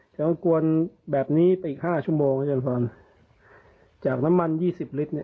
จะควรกวนแบบนี้ไปอีกห้าชั่วโมงจากน้ำมันยี่สิบลิตรเนี้ย